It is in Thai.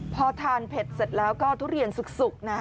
พอทานเผ็ดเสร็จแล้วก็ทุเรียนสุกนะ